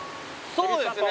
そうですね。